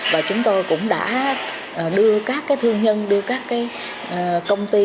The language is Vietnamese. và chúng tôi cũng đã đưa các cái thương nhân đưa các cái công ty